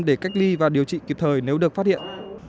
để cách ly và điều trị kịp thời nếu được phát hiện